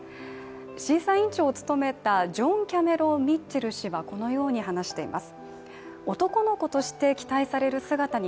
審査員長を務めたジョン・キャメロン・ミッチェル氏はこのように話しています。